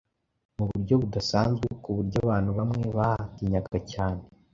mu buryo budasanzwe ku buryo abantu bamwe bahatinyaga cyane.